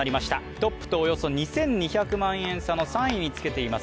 トップとおよそ２２００万円差の３位につけています